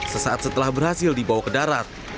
sesaat setelah berhasil dibawa ke darat